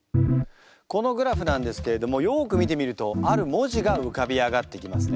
このグラフなんですけれどもよく見てみるとある文字が浮かび上がってきますね。